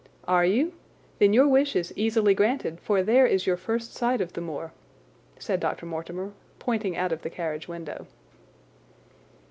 "Are you? Then your wish is easily granted, for there is your first sight of the moor," said Dr. Mortimer, pointing out of the carriage window.